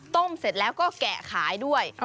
เสร็จแล้วก็แกะขายด้วย